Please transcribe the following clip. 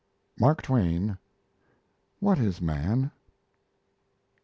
MARK TWAIN: 'What is Man?'